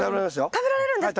食べられるんですか？